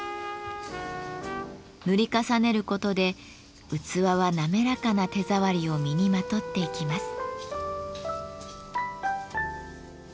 塗り重ねることで器は滑らかな手触りを身にまとっていきます。